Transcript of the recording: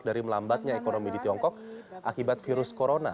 dari melambatnya ekonomi di tiongkok akibat virus corona